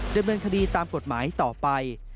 ดำเนินคดีตามกฎหมายต่อไป